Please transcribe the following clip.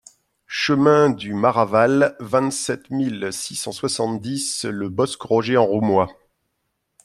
Chemin du Maraval, vingt-sept mille six cent soixante-dix Le Bosc-Roger-en-Roumois